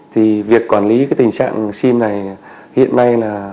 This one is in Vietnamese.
thì việc quản lý cái tình trạng sim này hiện nay là